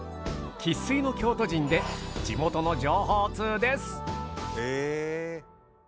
生っ粋の京都人で地元の情報ツウです。